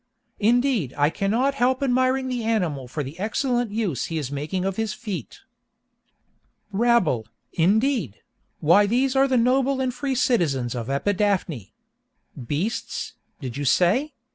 Indeed, I cannot help admiring the animal for the excellent use he is making of his feet." Rabble, indeed!—why these are the noble and free citizens of Epidaphne! Beasts, did you say?